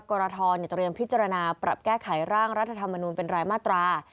กรทเตรียมพิจารณาปรับแก้ไขร่างรัฐธรรมนูลเป็นรายมาตรา